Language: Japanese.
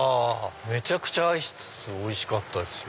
めちゃくちゃアイスおいしかったですよ。